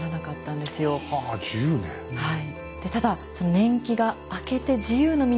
はい。